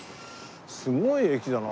すごい駅だな。